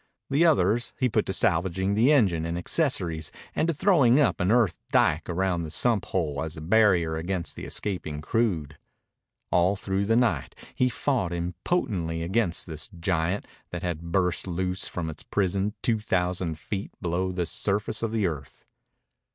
The others he put to salvaging the engine and accessories and to throwing up an earth dike around the sump hole as a barrier against the escaping crude. All through the night he fought impotently against this giant that had burst loose from its prison two thousand feet below the surface of the earth.